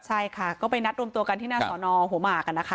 ใช่ค่ะก็ไปนัดรวมตัวกันที่หน้าสอนอหัวหมากนะคะ